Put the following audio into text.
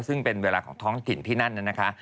ซึ่งเป็นเวลาของท้องถิ่นที่นั่นนะคะ